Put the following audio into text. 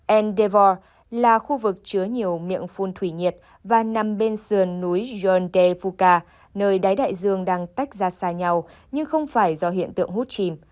endeavour là khu vực chứa nhiều miệng phun thủy nhiệt và nằm bên sườn núi yontefuka nơi đáy đại dương đang tách ra xa nhau nhưng không phải do hiện tượng hút chìm